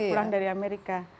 pulang dari amerika